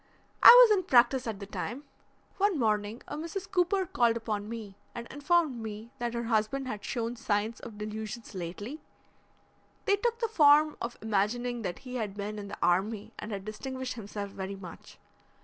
"I was in practice at the time. One morning a Mrs. Cooper called upon me and informed me that her husband had shown signs of delusions lately. They took the form of imagining that he had been in the army and had distinguished himself very much.